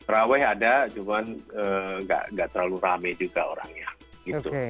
rawa ada cuma nggak terlalu rame juga orangnya